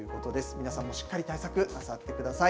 皆さんもしっかり対策なさってください。